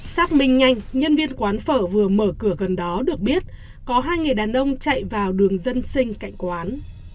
xác minh nhanh nhân viên quán phở vừa mở cửa gần đó được biết có hai người đàn ông chạy vào đường dân sinh cạnh quán